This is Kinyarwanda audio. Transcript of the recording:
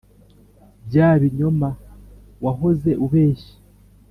bya binyoma wahoze ubeshya